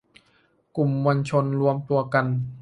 กลุ่มมวลชนรวมตัวกัน